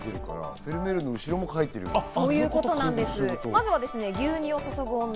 フェルメールの後ろも描いてるから。